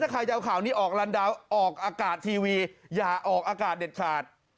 ใครจะเอาข่าวนี้ออกลันดาวนออกอากาศทีวีอย่าออกอากาศเด็ดขาด